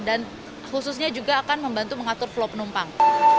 dan khususnya juga akan membantu mengatur flow penumpang